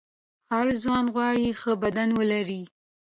هر ځوان غواړي ښه بدن ولري.